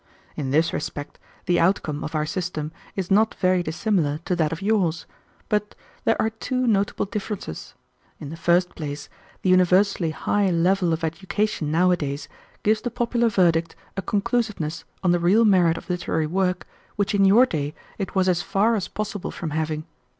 In this respect the outcome of our system is not very dissimilar to that of yours, but there are two notable differences. In the first place, the universally high level of education nowadays gives the popular verdict a conclusiveness on the real merit of literary work which in your day it was as far as possible from having.